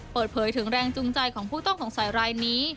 เปิดเผยถึงแรงจูงใจของผู้ต้องสงสัยรายนี้